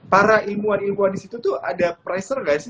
para ilmuwan ilmuwan di situ tuh ada pressure nggak sih